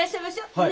はい。